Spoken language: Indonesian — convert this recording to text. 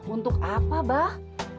untuk apa bapak